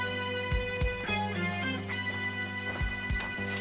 あ